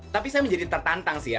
tapi saya menjadi tertantang sih ya